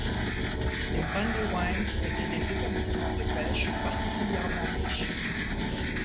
Les Brandywines étaient des établissements de pêche particulièrement riches.